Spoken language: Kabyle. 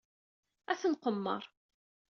Ad t-nqemmer.